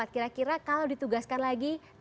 kira kira kalau ditugaskan lagi